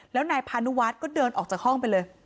แล้วนายพานุวัฒน์ก็เดินออกจากห้องไปเลย